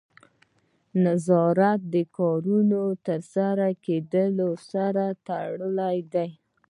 نظارت د کارونو د ترسره کیدو سره تړلی دی.